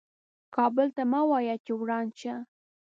کابل ته مه وایه چې وران شه .